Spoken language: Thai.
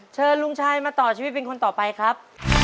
เชิญลุงชัยมาต่อชีวิตเป็นคนต่อไปครับ